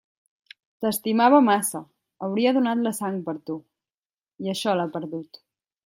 T'estimava massa, hauria donat la sang per tu, i això l'ha perdut.